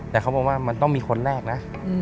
แต่เขาบอกว่ามันต้องมีคนแรกนะ